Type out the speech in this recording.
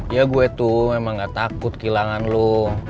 ya gue tuh memang gak takut kehilangan lo